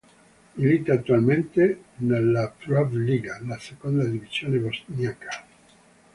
Milita attualmente nella "Prva liga", la seconda divisione bosniaca.